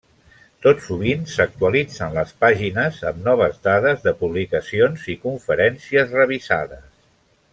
Tot sovint s'actualitzen les pàgines amb noves dades de publicacions i conferències revisades.